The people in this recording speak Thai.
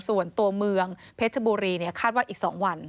ส่วนตัวเมืองเพชรบุรีคาดว่าอีก๒วัน